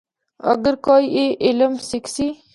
اگر کوئی اے علم سکھسی۔